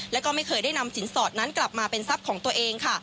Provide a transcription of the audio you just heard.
แล้วก็ไม่เคยได้นำสินสอดนั้นกลับมาเป็นทรัพย์ของตัวเองค่ะ